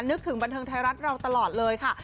นึกถึงบันเทิงไทยรัฐเราตลอดเลยค่ะ